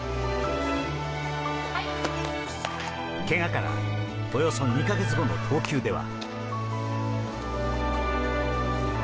けがから、およそ２か月後の投球では。